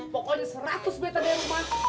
pokoknya seratus beta deh lo pan